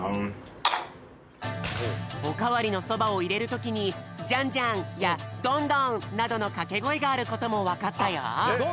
おかわりのそばをいれるときに「ジャンジャン」や「ドンドン」などのかけごえがあることもわかったよ。